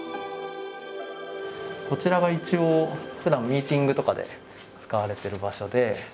こちらが一応ふだんミーティングとかで使われてる場所で。